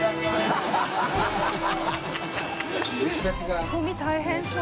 仕込み大変そう。